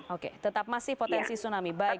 oke tetap masih potensi tsunami